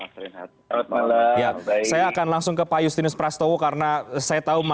sehat saya akan langsung ke pak justinus prastowo karena saya tahu